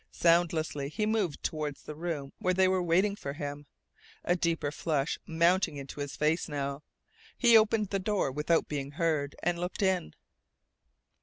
Soundlessly he moved toward the room where they were waiting for him, a deeper flush mounting into his face now. He opened the door without being heard, and looked in.